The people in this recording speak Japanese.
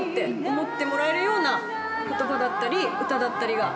思ってもらえるような言葉だったり歌だったりが